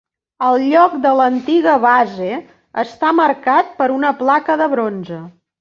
El lloc de l'antiga base està marcat per una placa de bronze.